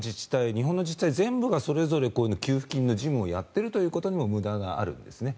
日本の自治体全部がそれぞれこういう給付金の事務をやっているということも無駄があるんですね。